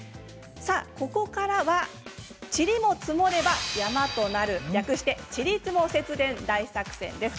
ここからはちりも積もれば山となる略して、ちりつも節電大作戦です。